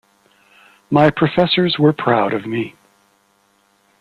My professors were proud of me.